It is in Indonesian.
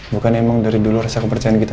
bukan emang dari dulu rasa kepercayaan kita